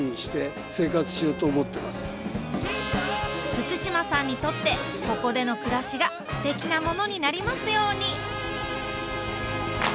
福島さんにとってここでの暮らしがすてきなものになりますように。